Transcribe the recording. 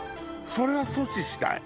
それは阻止したい。